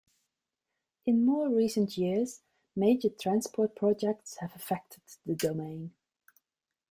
In more recent years, major transport projects have affected the Domain.